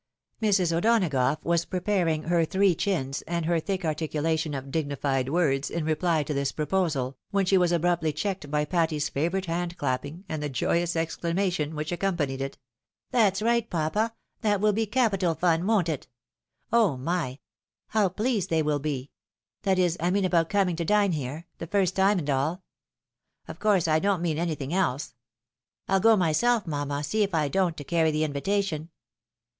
Mrs. O'Donagough was preparing her three chins, and her thick articuiation of dignified words, in reply to this proposal, when she was abruptly checked by Patty's favourite hand clap ping, and the joyous exclamation which accompanied it :" That's right, papa ! That will be capital fun, won't it ? Oh my ! How pleased they will be ! That is, I mean about coming to dine here, the iirst time, and all. Of course I don't mean anything else. I'll go myself, mamma, see if I don't, to carry the invita tion.